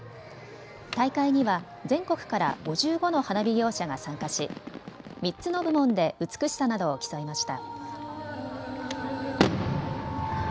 大会には全国から５５の花火業者が参加し、３つの部門で美しさなどを競いました。